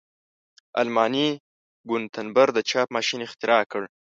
آلماني ګونتبر د چاپ ماشین اختراع کړ.